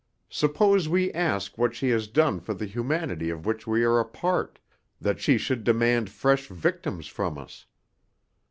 Suppose we ask what she has done for the humanity of which we are a part, that she should demand fresh victims from us?